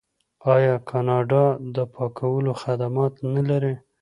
آیا کاناډا د پاکولو خدمات نلري؟